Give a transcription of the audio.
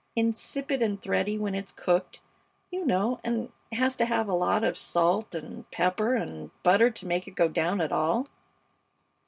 Insipid and thready when it's cooked, you know, and has to have a lot of salt and pepper and butter to make it go down at all.